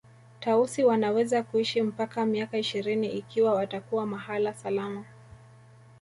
Tausi wanaweza kuishi mpaka miaka ishirini ikiwa watakuwa mahala salama